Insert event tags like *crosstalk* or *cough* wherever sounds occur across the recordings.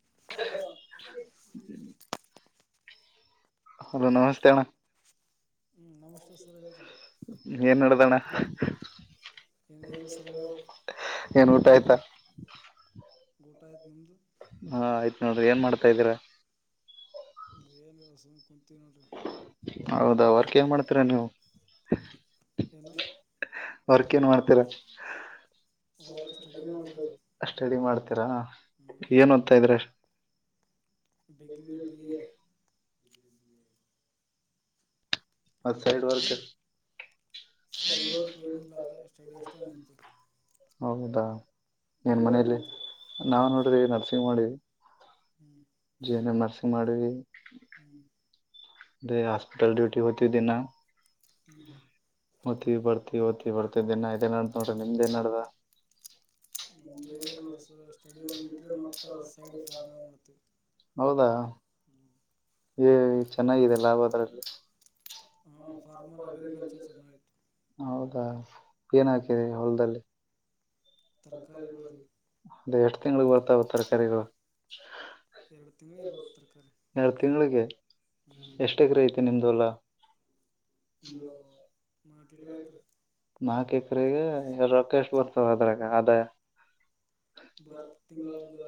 *inaudible* Hello ನಮಸ್ತೆೇ ಅಣ್ಣ. ಹ್ಞೂ ನಮಸ್ತೆ ಸರ್ ಹೇಳ್ರಿ ಏನ್ ನಡದದ ಅಣ್ಣಾ. ಏನಿಲ್ಲ ರೀ ಸರ್ ಹೇಳ್ಬೇಕು ಏನ್ ಊಟ ಆಯ್ತಾ? ಊಟಾ ಆಯ್ತು ನಿಮ್ಮದು. ಹೌದಾ ಏನ್ ಮಾಡ್ತಾ ಇದ್ದೀರಾ? ಏನಿಲ್ಲ *unintelligible* ನೋಡ್ರಿ ಹೌದಾ ವರ್ಕ್ ಏನ್ ಮಾಡ್ತೀರಾ ನೀವು? ಏನು? ವರ್ಕ್ ಏನ್ ಮಾಡ್ತೀರ? ವರ್ಕ್ ಸ್ಟಡಿ ಮಾಡ್ತಾ ಇದ್ದೀವಿ ಸ್ಟಡಿ ಮಾಡ್ತೀರಾ ಹ್ಞೂ ಏನ್ ಓದ್ತಾ ಇದೀರಾ. Degree B A. ಹ ಸೈಡ್ ವರ್ಕ್. ಸೈಡ್ ವರ್ಕ್ ಏನಿಲ್ಲ ಅದೇ ಸ್ಟಡಿ ಅಷ್ಟೇ *unintelligible* ಮಾಡ್ತೀವಿ ಹೌದಾ ಏನ್ ನೀವೇನು ಮನೇೆಯಲ್ಲಿ ಮಾಡ್ತೀರಿ ನಾವ್ ನೋಡ್ರಿ ನರ್ಸಿಂಗ್ ಮಾಡೀ ಹ್ಞೂ *unintelligible* ನರ್ಸಿಂಗ್ ಮಾಡವಿ. ಹ್ಞೂ ಅದೇ ಹಾಸ್ಟೆಲ್ ಡ್ಯೂಟಿ ಹೊತಿವಿ ದಿನ್ನಾ ಹ್ಞೂ ಹ್ಞೂ ಬರ್ತಿವಿ ಹೊತಿವಿ ಬರ್ತಿವಿ ದಿನ್ನಾ ಇದ ನಡದದ ನೋಡ್ರಿ ನಿಮ್ದ ಏನ್ ನಡದದ? *inaudible* ನಮ್ದು ಏನಿಲ್ಲ ನೋಡ್ರಿ ಸರ್ ಸ್ಟಡಿ ಒಂದು ಬಿಟ್ಟರೆ ಮತ್ತು ಸೈಡ್ ಫಾರ್ಮರ್ ಮಾಡ್ತೀವಿ ಹೌದಾ. ಹ್ಞೂ ಏ ಚೆನ್ನಾಗಿದೆ ಲಾಭ ಅದರಲ್ಲಿ. ಹಾಂ ಫಾರ್ಮರ್ ಅಗ್ರಿಕಲ್ಚರ್ ಚೆನ್ನಾಗಿತ್ತು ಹೌದಾ ಏನ್ ಹಾಕಿರಿ ಹೊಲ್ದಲ್ಲಿ. ತರಕಾರಿ ತರಕಾರಿಗಳು ಬೆಳೆದ್ವಿ ಅದೇ ಎಷ್ಟ್ ತಿಂಗ್ಳಿಗೆ ಬರ್ತಾವ ತರಕಾರಿಗಳು ಎರಡ್ ತಿಂಗಳಗೆ ಬರತ್ತರಿ ಕರೆಕ್ಟ್ಆಗಿ ಎಷ್ಟ ಎಕರೆ ಐತೆ ನಿಮ್ದ ಹೊಲ. ಒಂದು ನಾಲ್ಕು ಎಕರೆ ಐತ್ರಿ ನಾಕ್ ಎಕ್ರೆಗೆ ರೊಕ್ಕಾ ಎಷ್ಟ್ ಬರ್ತಾವ ಅದ್ರಾಗ ಆದಾಯ. ಬರೋ ಬರ್ತ ತಿಂಗಳ ತಿಂಗಳಿಗೆ ಒಂದು ಒಂದ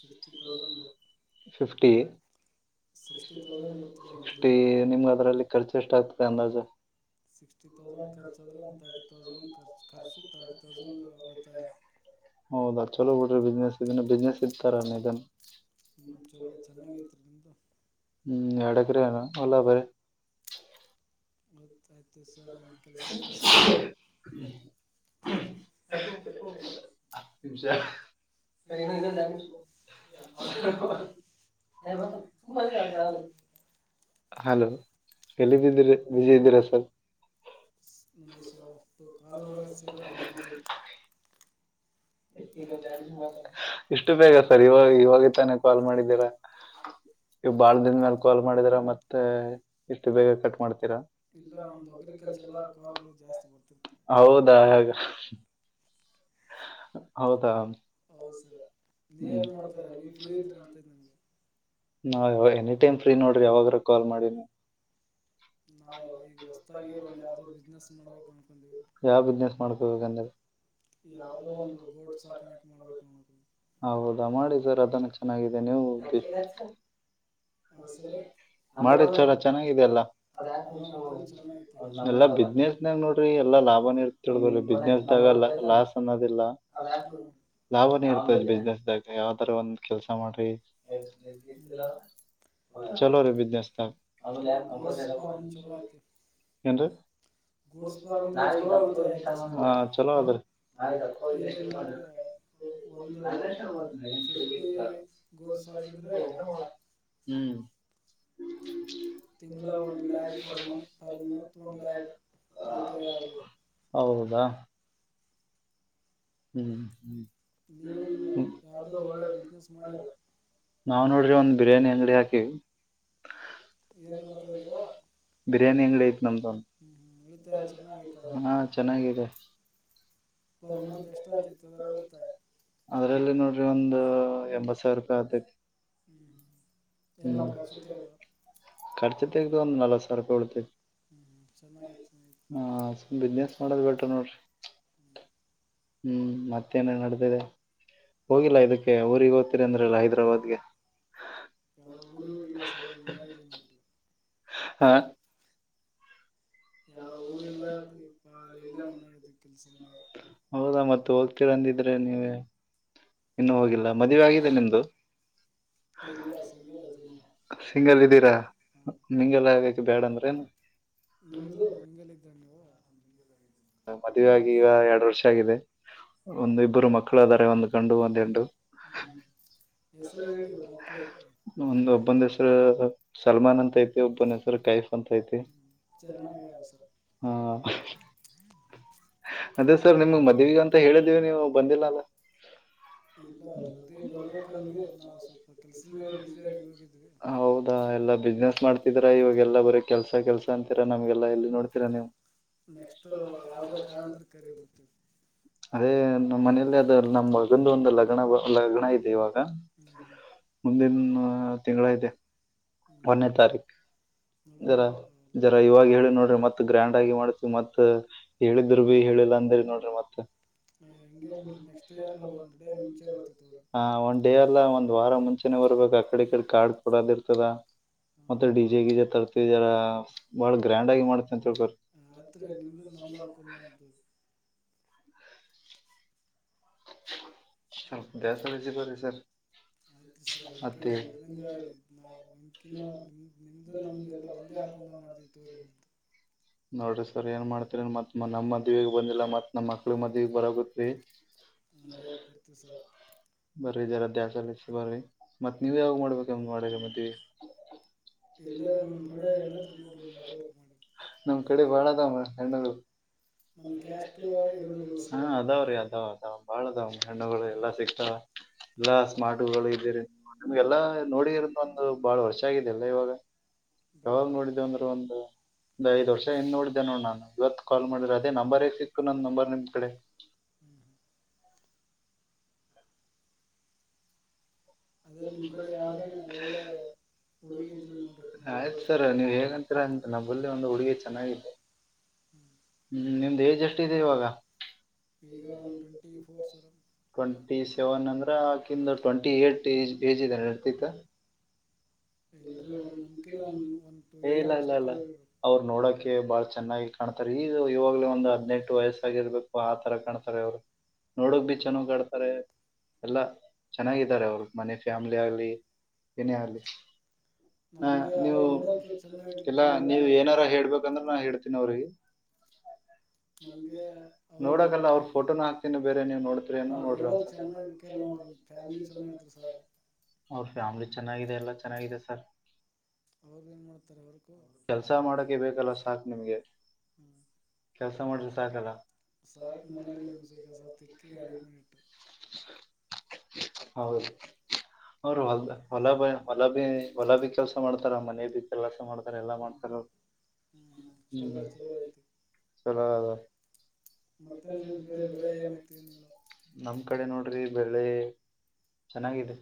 ಸಿಕ್ಸ್ಟಿ ಫಿಫ್ಟಿ ತೌಸಂಡ್ ಥೌಸಂಡ್ ಬರ್ ಬಿಲ್ಲತ್ತ ಫಿಫ್ಟಿ ಸಿಕ್ಸ್ಟಿ ತೌಸಂಡ್ ಬರ್ತರಿ ಒಂದು ಸಿಕ್ಸ್ಟಿಥೌಸಂಡ್ ತಿಂಗಳ *unintelligible* ನಿಮ್ಗ ಅದ್ರಲ್ಲಿ ಖರ್ಚು ಎಷ್ಟಾಗಗ್ತದೆ ಅಂದಾಜ *inaudible* ಸಿಕ್ಸ್ಟಿ ತೌಸಂಡ್ ಖರ್ಚಾದ್ರೆ ಒಂದು ತರ್ಟಿ ತೌಸಂಡ್ ಖರ್ಚು ಖರ್ಚು ತರ್ಟಿ ತೌಸಂಡ್ ಉಳಿತಾಯ ಹೌದಾ ಚಲೋ ಬಿಡಿ ಬಿಸ್ನೆಸ್ ಇದನ್ನ ಬಿಸ್ನೆಸ್ ಇರ್ತಾರಾನೆ ಇದನ್ ಹ್ಮ್ ಚಲೋ ಚೆನ್ನಾಗ್ ಐತ್ರಿ ನಿಮ್ಮದು - ಹ್ಮ್ ಎರಡ ಎಕರೆಗ ಹೊಲದಾಗ ಬೆಲೆ. ಆಯ್ತು ಸರ್ ನಿಮ್ ಕೆಲ್ಸ ಐತಿ ಸರ. ಹತ್ತು ನಿಮಿಷ ಸರ್ ಇನ್ನೊಂದ ಎರಡ್ ನಿಮಿಷ *unintelligible* *unintelligible* ಹಲೋ ಎಲ್ಲಿದ್ದಿದ್ದೀರ ಬ್ಯುಸಿ ಇದ್ದೀರಾ ಸರ್? ಇಲ್ಲ ಸರ ಕಾಲ್ ಬರಕತ್ತ ಸರ ಬಿಜಿ ಇದ್ದೇ. ಇಷ್ಟು ಬೇಗ ಸರ್ ಇವಾಗ ಇವಾಗ ತಾನೇ ಕಾಲ್ ಮಾಡಿದ್ದೀರಾ. ನೀವ್ ಬಾಳ ದಿನ್ದ ಮ್ಯಾಲ ಕಾಲ್ ಮಾಡಿದರ ಮತ್ತೆ ಇಷ್ಟು ಬೇಗ ಕಟ್ ಮಾಡ್ತೀರಾ. ಅಗ್ರಿಕಲ್ಚರಅಲಾ ಕಾಲ್ ಗಳು ಜಾಸ್ತಿ ಬರ್ತಿತ್ತಾವ. ಹೌದಾ ಹಾಗ ಹೌದಾ ಹೌದ್ ಸರ್ ನೀ ಏನ್ ಮಾಡ್ತಾರ ನೀ ಫ್ರೀ ಇದ್ರೆ ನಡ್ತೈದ ನಮ್ಗೆ ನಾ ಯಾವಾ ಎನಿ ಟೈಮ್ ಫ್ರೀ ನೋಡ್ರಿ ಯಾವಾಗ್ರ ಕಾಲ್ ಮಾಡಿ ನೀವ್ ನಾವು ಈಗ ಹೊಸ್ದಾಗಿ ಒಂದು ಯಾವುದೋ ಬಿಸ್ನೆಸ್ ಮಾಡ್ಬೇಕು ಅನ್ಕೊಂಡ್ವಿ *inaudible* ಯಾವ ಬಿಸ್ನೆಸ್ ಮಾಡ್ಕೊಬೇಕಂದ್ರಿ ಯಾವ್ದೋ ಒಂದು ಗೋಟ್ ಸಾಕಾಣಕ್ ಮಾಡ್ಬೇಕು ಹೌದಾ *unintelligible* ಮಾಡಿ ಸರ್ ಅದನ್ನ ಚೆನ್ನಾಗಿದೆ ನೀವು ಹೋಗಿ ಆ ಸರ್ ಮಾಡಿ ಚಲ ಚೆನ್ನಾಗಾಗಿದೆಲ್ಲಾ ಹಾಂ ಅದನ್ನು ಚೆನ್ನಾಗೈತಿ ಹಾಂ ಎಲ್ಲ ಬಿಸ್ನೆಸ್ನಾಗ ನೋಡ್ರಿ ಎಲ್ಲಾ ಲಾಭನ ಇರ್ತಿರಿ ಬಿಸ್ನೆಸ್ ದಾಗ ಲಾಸ್ ಅನ್ನೋದಿಲ್ಲ ಲಾಭನೇ ಇರ್ತದೆ ಬಿಸಿನೆಸ್ ದ್ದಾಗ ಯಾವ್ದಾರ ಒಂದ್ ಕೆಲ್ಸ ಮಾಡ್ರಿ ಚಲೋ ರೀ ಬುಸಿನೀಸದಾಗ್ ಗೋಡ್ಸ್ ಫಾರ್ಮ್ ಚಲೋ ಐತಿ ಏನ್ ರೀ ಗೋಡ್ಸ್ ಫಾರ್ಮ್ದಾಗ ಚಲೋ ಉಳಿತಾಯ ಐತ್ರಿ ಸರ್ ಹಾ ಚಲೋ ಅದರಿ ಏನಿಲ್ಲ ಅಂದ್ರೆ ಒಂದು *unintelligible* ಗೋಟ್ ಸಾಕಿದ್ ಹ್ಮ್ ತಿಂಗಳ one lakh per month per month one lakh ಉಳಿತಾಯ ಆಗ್ಬೋದು ಹೌದಾ ಹ್ಮ್ ಹ್ಮ್ ನೀವು ಯಾವ್ದೋ ಒಳ್ಳೆ ಬಿಸ್ನೆಸ್ ಮಾಡಿಲ್ಲ ನಾವ ನೋಡ್ರಿ ಒಂದ್ ಬಿರಿಯಾನಿ ಅಂಗಡಿ ಹಾಕಿವಿ ಏನ್ ಮಾಡ್ತಾ ಇದೀರ ಬಿರಿಯಾನಿ ಅಂಗಡಿ ಐತ್ ನಮ್ದ ಉಳಿತಾಯ ಚೆನ್ನಾಗೈತ ಒ ಹಾ ಚೆನ್ನಾಗಿದೆ ಪರ್ಮಂತ್ ಎಷ್ಟ ಅದ್ರಲ್ಲಿ ನೋಡ್ರಿ ಒಂದು ಎಂಬತ್ ಸಾವಿರ ರೂಪಾಯಿ ಆತೈತಿ ಹ್ಞೂ ಹ್ಞೂ ಎಲ್ಲ ಹ ಖರ್ಚು ತೆಗೆದ ಕರ್ಚತಗದು ಒಂದು ನಲವತ್ತು ಸಾವಿರ ಪಾಯಿ ಹೊಳತೇ ಹ್ಞೂ ಹ್ಞೂ ಚೆನ್ನಾಗಿತ್ತು ಚೆನ್ನಾಗಿತ್ತು ಹ ಬಿಸ್ನೆಸ್ ಮಾಡದ್ ಬಿಟ್ರ ನೋಡ್ರಿ ಹ್ಞೂ ಹ್ಮ್ ಮತ್ತೇನೇನ್ ನಡತಿದೆ ಹೋಗಿಲ್ಲಾ ಇದಕ್ಕೆ ಊರಿಗಿ ಹೋಗದ್ತೀರಿ ಅಂದ್ರಲ್ಲ ಹೈದ್ರಾಬಾದ್ ಗೆ ಯಾವ ಊರಿ ಹೋಗಿಲ್ಲ ಸದೊ ಮನಾಗಿದ್ದನ ಹಾ ಯಾವ ಊರಿಲ್ಲತ್ರಿಲ್ಲಿ ಎಲ್ಲ ಮನಗತ್ ಕೆಲ್ಸ ಮ ಹೌದಾ ಮತ ಹೋಗ್ತೀರ ಅಂದಿದ್ರೆ ನೀವೇ ಇನ್ನು ಹೋಗಿಲ್ಲ ಮದವೆ ಆಗಿದೆ ನಿಮ್ದು ಇಲ್ಲ ಸಿಂಗಲ್ ಅದಿ ನಾವು ಸಿಂಗಲ್ ಇದ್ದೀರಾ ಹಾಂ ಮಿಂಗಲ್ ಆಗಕ್ ಬ್ಯಾಡ ಅಂದ್ರೇನು ನಿಮ್ದು ನಿಮಲ್ಲ ಇದ್ದವೆ ನೀವು ಹ್ಞೂ ಮದ್ವೆ ಆಗಿ ಈಗ ಎರಡು ವರ್ಷ ಆಗಿದೆ ಒಂದು ಇಬ್ಬರು ಮಕ್ಕಳಾದಾರೆ ಒಂದ ಗಂಡು ಒಂದ್ ಹೆಂಡರು ಹೆಸರಟ್ಟಿದ್ದರೀ ಒಂದು ಒಬ್ಬಂದ ಹೆಸರು ಸಲ್ಮಾನ್ ಅಂತ ಐತಿ ಒಬ್ಬನ ಹೆಸರು ಕೈಫ್ ಅಂತ ಐತಿ ಚೆನ್ನಾಗ ಹೇಳಿದ್ರಿ ಸರ್ ಹಾ ಅದೇ ಸರ್ ನಿಮಗ್ ಮದುವೆಗೆ ಅಂತ ಹೇಳಿದೀವಿ ನೀವು ಬಂದಿಲ್ಲಲ್ಲ ಇಲ್ಲ ಮದುವೆ ಬರ್ಬೇಕಂದ್ವಿ ನಾವು ಸ್ವಲ್ಪ ಕೆಲಸದ ಮ್ಯಾಗ ಬ್ಯುಸಿಯಾಗಿ ಹೋಗಿದ್ವಿ ಹೌದಾ ಎಲ್ಲ ಬಿಸ್ನೆಸ್ ಮಾಡ್ತಿದರಾ ಇವಾಗ ಎಲ್ಲಾ ಬರೀ ಕೆಲ್ಸ ಕೆಲ್ಸ ಅಂತಿರಾ ನಮ್ಗೆಲ್ಲ ಎಲ್ಲಿ ನೋಡ್ತಿರಾ ನೀವು ನೆಕ್ಸ್ಟ್ ಎಷ್ಟು ಯಾವುದೇ ಕಾರಣ ಇದ್ರ ಕರದ ಬಿಡ್ತೇವೆ ಅದೇ ನಮ್ಮ ಮನೆಯಲ್ಲಿ ಅದು ನಮ್ಮ್ ಮಗಂದು ಒಂದು ಲಗ್ನ ಲಗ್ನ ಇದೆ ಇವಾಗ ಹ್ಞೂ ಮುಂದಿನ ತಿಂಗಳ ಐತೆ ಹ್ಞೂ ಹ್ಞೂ ಒಂದನೆ ತಾರೀಕ್ ಮೇಡಮ್ ಜರಾ ಅಲ್ಲ ಜರಾ ಇವಾಗ ಹೇಳಿ ನೋಡ್ರಿ ಮತ ಗ್ರ್ಯಾಂಡ್ ಆಗಿ ಮಾಡ್ಸವಿ ಮತ್ ಹೇಳಿದರು ಭೀ ಹೇಳ ಹೇಳಿಲ್ಲ ಅಂದ್ರರಿ ನೋಡ್ರಿ ಮತ್ತ ಹ್ಮ್ ಬರ್ತೀವಿ ತಗೋರಿ ಹ ಒಂದ್ ಡೇ ಅಲ್ಲ ಒಂದ ವಾರ ಮುಂಚೆನೆ ಬರ್ಬೇಕು ಆಗತೈತಿ ಕಡೆ ಕಡೆ ಕಾರ್ಡ್ ಕೊಡೋದ ಇರ್ತದ ಹಾಂ ಮತ್ತೆ ಡಿಜೆ ಗೀಜೆ ತರ್ತಿವಿರ ಬಾಳ ಗ್ರ್ಯಾಂಡ್ ಆಗಿ ಮಾಡ್ತವಿ ಮಾಡತೀವಿ ಬರಿ ಆಯ್ತು ರೀ ನಿಮ್ದು ನಮ್ದು ಅನ್ಕೊಂಡು ಮಾಡೋದು ಹ ದಾಸಾಲಜ ಬ ರ ಸರ್ ಹೌ ಮತ್ತೆ ದಂಗ ಇಲ್ಲಿ ನಾವುಕಿನ ನಿ ನಿಮ್ದು ನಮ್ದ ಎಲ್ಲ ಒಂದೇ ಅನುಕೊಂಡ ಮಾಡ ತೋ ನೋಡ್ರಿ ಸರ್ ಏನ್ ಮಾಡ್ತರಿ ಮತ ನಮ್ಮ್ ಮದ್ವೆಗ್ ಬಂದಿಲ್ಲ ಮತ್ ನಮ್ಮ ಮಕ್ಳ ಮದ್ವಿ ಬರೋಗತ್ರಿ ಹದಾಯ್ತು ಬರ್ತ ಸ ಬರೀ ಇದರ ದಾಸಾಲ ಬರ್ರರಿ ಮತ್ ನೀವ್ ಯಾವಾಗ್ ಮಾಡ್ಬೇಕಕ್ಮ್ದ್ ಮಾಡ ಮದವಿ ಎಲ್ಲಾರ ನಿನ ಕಡೆ ಹೆಣ್ಣತ್ ನೋಡ್ರಿ ಮಲ್ಕೋಕ ಮಾಡಿ ನಮ್ ಕಡೆ ಬಾಳದ ಹೆಣ್ಣದು ನಮ್ಮ ಕ್ಯಾಸ್ಟು ಇರಬೇಕಲ್ಲ ಹಾ ಸರ್ ಅದಾವ್ರೀ ಅದಾವ ಅದಾವ ಬಾಳ ಅದ ಹೆಣ್ಣುಗಳು ಹ್ಞೂ ಎಲ್ಲಾ ಸಿಕ್ತಾವ ಎಲ್ಲಾ ಸ್ಮಾರ್ಟ್ಗಳ ಇದ್ದೀರಿ ನಿಮ್ಗೆಲ್ಲಾ ನೋಡಿರಂತ ಒಂದು ಬಾಳ್ ವರ್ಷ ಆಗಿದೆಲ್ಲ ಇವಾಗ ಯಾವಾಗ ನೋಡಿದ್ದೇವಂದ್ರೆ ಒಂದು ಬಟ್ ಒ್ ಐದು ವರ್ಷ ಇಿಂದನ್ ನೋಡಿದೆೆ ನೋ ನಾನು ಇವತ್ತು ಕಾ ಮಾಡಿದ್ರೆ ಅದೇ ನಂಬರ್ೇ ಸಿಕ್ಕು ನನ್ನ ನಂಬರ್ ನಿಮ್ ಕಡೆ ಹ್ಮ ಅದೇ ನಿಮ್ಮ ಇಪಡ ಕಡೆ ಯಾವ್ದಾನ ಒಳ್ಳೆ ಹುಡುಗಿ ಇದ್ರೆ ನೋಡಿ ಆಯ್ತ ಮಾಡ್ಕೋಬೇಕು ಸರ್ ಮಾಡಿ ನೀವ್ ಹೇಗಂತೀರ ಅಂತ ನಲ್ಲಿ ಒಂದು ಹುಡುಗಿ ಚೆನ್ನಾಗಿದೆೆ ಹ್ಞೂ ಹ್ಮ್ ನಿಮ್ದ್ ಏಜ್ ಅಷ್ಟ ಇಿದೆದೆ ಇವಾಗ ಈಗ ಒಂದು twenty four sir twenty seven ಅಂದ್ರ ಆಕಂದು ಟ್ವೆಂಟಿ ಏಟ್ಏ್ ಏಜ್ ಇದಾರೆ ಇರ್ತಿತ್ತು ಇಲ್ರಿ ಒಂದ್ ನಮ್ಕಿನ ಒಂದ ಒಂದ ಏ ಇಲ್ಲ ಇಲ್ಲ ಇಲ್ಲ ಅವ್ರು ನೋಡಕೆ ಬಾಳ ಚೆನ್ನಾಗಿ ಕಾಣತ ಆತ ಈಗ ಇವಾಗ್ಲೇ ಒಂದು ಹದ್ನೆೆಂಟು ವಯಸ್ಸಗಿರ್ಬೇಕು ಆತರ ಕಾಣ್ತಾರೆ ಅವ್ರು ನೋಡಕ್ ಭ ಚೆನ್ನಾಗ್ ಆಡ್ತಾರೆ ಎಲ್ಲ ಚೆನ್ನಾಗಿದ್ದಾರೆ ಅವ್ರ ಮನೆ ಫ್ಯಾಮಿ್ಲಿ ಆಗ್ಲಿ ಏನೇ ಆಗ್ಲಿ ಹ ಹಾ ನೀವು ಎಲ್ಲಾ ಪರವಾಗಿಲ್ಲ ನೀವ ಅವ್ರು ಏನಾರ ಹೇಳ್ಬೇಕಂದ್ರೆ ನಾ ಹೇಳ್ತೀನಿ ಅವ್ರಿಗೆ ನಮಗೆ ಅವ್ರನ್ನ ನೋಡಕಲ್ಲ ಅವ್ರರು ಫೋಟೋನ ಹಾಕ್ತೀನ ಬೇರೆ ನೀವ್ ನೋಡತ್ರಿ ಏನ ಅವ್ರು ನೋಡ್ರಿ ಅವ ನೋಡೋಕೆ ಚೆನ್ನಾಗಿರ್ಬೇಕಲ್ಲ ಅವ್ರ ಫ್ಯಾಮಿಲಿ ಚೆನ್ನಾಗಿದ್ರು ಸ ಅವ್ರ ಫ್ಯಾಮಿಲಿ ಚೆನ್ನಾಗಿದೆ ಎಲ್ಲ ಚೆನ್ನಾಗಿದೆ ಸರ್ ಅವ್ರಗ ಏನ್ ಮಾಡ್ತಾರೆ ಅವ್ರಗ್ ಕೆಲ್ಸ ಮಾಡಕ ಬೇಕಲ್ಲ ಸಾಕ್ ನಿಮ್ಗೆ ಕೆಲ್ಸ ಮಾಡ್ರೆ ಸಾಕಲ್ಲ ಸಾಕ್ ಮಣಲ್ಲ ಮೋಸು ಕಸಾ ತಿಕ್ಕಿ ಅಡಿ ಮಾಡಿಟ್ಟು ಹೌದು ಅವರು ಹೊದ ಹೊಲ ಬಿ ಹೊಲ ಬಿ ಹೊಲ ಭ ಕೆಲಸ ಮಾಡ್ತಾರ ಮನೆ ಭ ಕೆಲಸ ಮಾಡ್ತಾರ ಎಲ್ಲ ಮಾಡ್ತಾರ್ಮ ಹ್ಮ್, ಚಲೋ ಚಲೋ ಐತಿ ಚಲೋ ಅದು ಮತ್ತೇನ್ರಿ ನಿಮ್ಮ ಕಡೆ ಬೆಳೆ ಏನೈತಿ ಏನಿಲ್ಲ ನಮ್ ಕಡೆ ನೋಡ್ರಿ ಬೆಳ್ಳೆ ಚೆನ್ನಾಗಿದೆ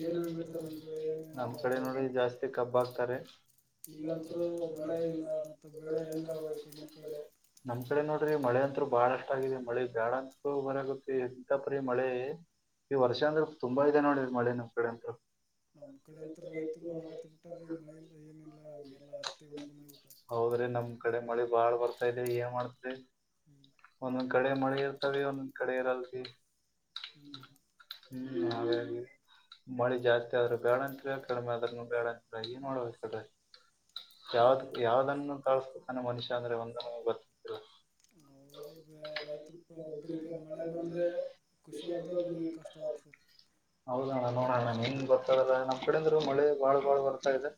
ಏನೇನು ಬೆಳಿತಾರೆ ನಿಮ್ಮ ಕಡೆ ಏನೇನಿಲ್ಲ ನಮ್ ಕಡೆ ನೋಡ್ರಿ ಜಾಸ್ತಿ ಕಬ್ಬ ಆಗ್ತಾರೆ ಈಗಂತರು ಮಳೆ ಇಲ್ಲ ಮತ್ತೆ ಬೆಳೆ ಹೆಂಗ ಈ ಕಡೆಮ ಕಡೆ ನಮ್ ಕಡೆ ನೋಡ್ರಿ ಮಳೆ ಅಂತತ್ರು ಬಾಳ ಅಷ್ಟ ಆಗರಿ ಮಳೆ ಬೇಡ ಬರಗತ್ತೆ ಇಂತಪರಿೀ ಮಳೆ ಈ ವರ್ಷ ಅಂದ್ರೆ ತುಂಬಾ ಇದೆ ನೋಡಿ ಮಳೆನ ಹ್ಮ್ ನಮ್ ಕಡೆ ಅಂತ ರೈತರು ಅಳಗತ್ತ ಬಿಟ್ಟಾರೀ ಮಳ ಏನಿಲ್ಲಾಲ್ಲ ಹತ್ತಿ ಹೊಣ್ಕೊ ಹೌದ್ರಿ ನಮ್ ಕಡೆ ಮಳಿ ಬಾಳ್ ಬರ್ತಾ ಇದೆ ಏನ್ ಮಾಡ್ತದೆ ಹ್ಞೂ ಒಂದೊಂದ್ ಗಡೆ ಮಳೆ ಇರ್ತಾವ ಒಂದೊಂದ್ ಕಡೆ ಇರಲ್ರಿ ಹ್ಞೂ ಹ್ಮ್ ಹ ಮಳಿ ಜಾಸ್ತಿ ಆದ್ರರು ಬ್ಯಾಡಂತರ ಕಮೆ ಅದ್ರ ಬೇಡಂತರ ಏನ್ ಮಾಡೋಡಬೇಕ್ರ ಯಾವ್ದ ಯಾವ್ದನ್ನು ಕಳ್ಸ್ಕೊತಾನೆ ಮನುಷ್ಯ ಅಂದ್ರೆ ಒಂದ ಗೊತ್ತಿಲ್ಲ ರೈತ ಒಬ್ರಿಗೆ ಮಳೆ ಬಂದ್ರೆ ಖುಷಿ ಆತ ಭುಗಿ ಕಷ್ಟವ್ತ ಹೌದಣ್ಣ ನೋಡಣ್ಣನ್ ಏನ್ ಬರ್ತದ ನಮ್ಮ್ ಕಡಿಂದ್ರು ಮಳೆ ಬಾಳ್ ಬಾಳ್ ಬರ್ತಾ ಇದೆ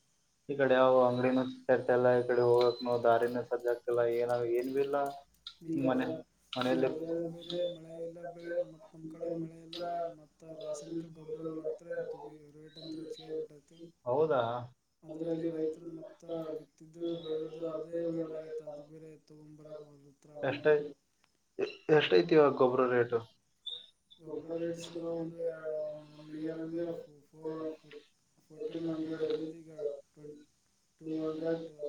ಈ ಕಡೆ ಯಾವವು ಅಂಗಡಿನೂ ಸರ್ತಲ್ಲ ಈ ಕಡೆ ಹೋಗಕ್ ದಾರಿನೂ ಸಜ್ಜಕ್ತಲ್ಲ ಏನ ಏನ್ ಬಿ ಇಾ ಈಗದ್ರ ಈಗ ಅದ್ರಾಗ ಬೇರೆ ಮಳೆ ಇಲ್ಲ ಬೆಳೆ ಮತ್ತ್ ನಮ್ ಕಡೆ ಮಳೆ ಎಲ್ಲ ಮನೆಯಲ್ಲಿ ಮತ್ ರಾಸಾಯನಿಕ ಗೊಬ್ಬರಗಳಂತ ರೇಟ್ ಅಂತ ಹೆಚ್ಚ ಆಗಬಿಟ್ಟೈತಿ ಹೌದಾ ಅದ್ರಲ್ಲಿ ರೈತರು ಮತ್ತ ಬಿತ್ತಿದ್ದು ಬೆಳೆದಿದ್ದು ಅದೇ ಬೆಳಲಗತ್ತ ಅದು ಬೇರೆ ತಗೊಂಡ *inaudible* ಎಷ್ಟ ಎಷ್ಟಐತಿವ ಗೊಬ್ಬರ ರೇಟ್ ಗೊಬರ ರೇಟ್ಸರ ಒಂದು ಒನ್ ಇಯರ್ ಅಂದರೆ ಫೋರ್ಫ ಫೋರ್ಟೀನ್ ಹಂಡ್ರೆಡ್ ಇದ್ದದ್ದು ಈಗ ಟ್ವೆಂ ಟೂ ಹಂಡ್ರೆಡ್ ಲ್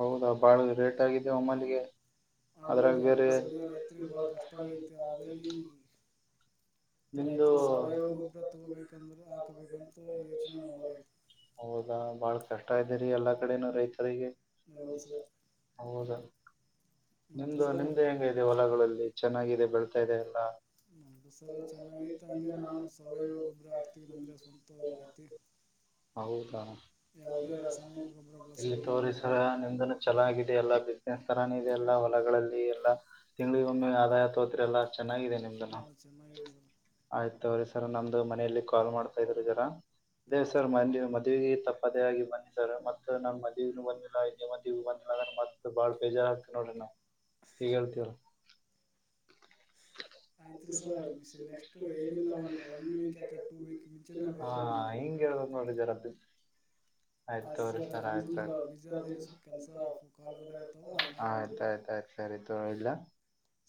ಹೌದಾ ಬಾಳ ರೇಟ್ ಆಗಿದೆ ಒಮ್ಮಲ್ಲಿಗೆ ಆದಾಗಿ ಅದ್ರಾಗ ಜಂಪ ಬೇರೆ ಸಲ ರೈತ್ರಿಗೆ ಭಾಳ ಕಷ್ಟ ಆಗೈತೆ ಹಾಗಾಗಿ ನಿಮ್ದು ರೈತರು ಸವಯವ ಗೊಬ್ರ ತಗೋಬೇಕಂದ್ರೆ ಹಾಕಬೇಕಂತ ಯೋಚನೆ ಮಾಡ್ರ ಈಗ *inaudible* ಹೌದಾ ಬಾಳ್ ಕಷ್ಟ ಇದ್ದರಿ ಎಲ್ಲಾ ಕಡೆನೂ ರೈತರಿಗೆ ಹೌದು ಸರ್ ಹೌದಾ ಮತ್ತೆ ನಿಮ್ದು ಸರ್ ನಿಮ್ದೆ ಹೆಂಗ ಇದೆ ಹೊಲಗಳಲ್ಲಿ ಚೆನ್ನಾಗಿದೆ ಬೆಳ್ತಾ ಇದೆ ಎಲ್ಲ ನಮ್ಮದು ಸರ ಚೆನ್ನಾಗೈತೆ ಹಂಗೆ ನಾವನು ಸಾವಯವ ಗೊಬ್ಬರ ಆಾಕ್ತಿೀವಿ ನಮ್ದ ಸ್ವಲ್ಪ ಐತಿ ಹ ಯಾವುದೇ ರಾಸಾಯನಿಕ ಗೊಬ್ಬರ ಇಲ್ಲಿ ಬಳಸಲ್ಲ ನಮ್ಮಲ್ಲಿ ತೋರಿಸರ ನಿಮ್ದ ಚೆನ್ನಾಗಿದೆಲ್ಲ ಸ್ಥರಾನ ಇದೆ ಎಲ್ಲ ಹೊಲಗಳಲ್ಲಿ ಎಲ್ಲಾ ತಿಂಗಗಳಿಗೊಮ್ಮೆ ಆದಾಯ ತೋತ್ರೆ ಎಲ್ಲ ಚೆನ್ನಾಗಿದೆ ನಿಮ್ದ ನಾಳ ಚೆನ್ನಾಗಿದೆ ಸರ್ ಸರ ನಮ್ದು ಮನೆಯಲ್ಲಿ ಕಾಲ್ ಮಾಡ್ತಾ ಇದ್ರು ಜರ ದೇ ಆಯಿತು ಸರ್ ಮ ಮದುವೆಗೆ ತಪ್ಪದೇ ಆಗಿ ಬನ್ನಿ ಸರ್ ಮತ್ತ ನಾ ಮದ ಬಿ ಇ ಮ ಬಂದಿಲ್ಲ ಅದ್ರೆ ಮತ್ತ ಬಾಳ ಬೇಜಾರ್ ಆಗ್ತ ನೋಡ್ರಿ ನ ಹೀಗ್ ಹೇಳ್ತವ *unintelligible* ಆಯ್ತು ಸ ನೆಕ್ಸ್ಟ್ ಏನಿಲ್ಲ ಒ ಒನ್ ವೀಕ್ ಯಾಕೆ ಟೂ ವೀಕ್ ಮುಂಚೆನೆ ಬರ್ತವಿ ನಿಮ್ಮ ಅದ *inaudible* ಜರ ಆಯ್ತ್ ಸರ್ ನಮ್ದಂದ ಬೀಜ ಸ್ವಲ್ಪ ಕೆಲಸ ಆಯ್ತ್ ಕಾಲ್ ಬರ್ಗತ್ತವನ್ ಮಾಡ್ತೀವಿ ಆಯ್ತ್ ಆಯ್ತ್ ಆಯ್ತ್ ಸರಿ ತಲ್ಲ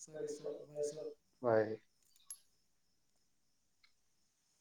ಸರಿ ಸರ್ ಬಾಯ್ ಸರ್